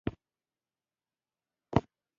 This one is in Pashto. چې د قبيلو له مشرانو سره خبرې وکړي.